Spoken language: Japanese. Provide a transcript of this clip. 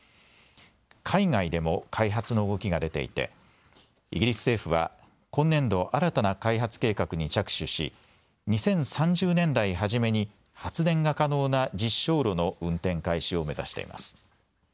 海外でも開発の動きが出ていてイギリス政府は今年度、新たな開発計画に着手し２０３０年代初めに発電が可能な実証炉の運転開始を目指しています。